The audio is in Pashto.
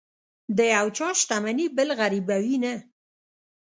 د یو چا شتمني بل غریبوي نه.